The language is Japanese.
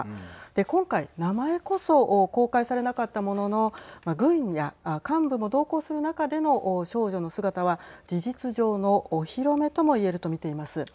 今回、名前こそ公開されなかったものの軍や幹部も同行する中での少女の姿は事実上のお披露目とも言えると見ています。